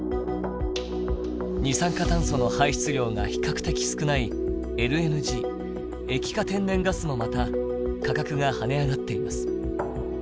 二酸化炭素の排出量が比較的少ないＬＮＧ液化天然ガスもまた価格が跳ね上がっています。